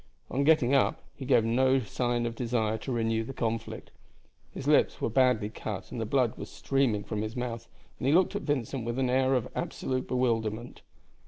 On getting up he gave no sign of a desire to renew the conflict. His lips were badly cut and the blood was streaming from his mouth, and he looked at Vincent with an air of absolute bewilderment.